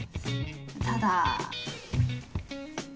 ただ。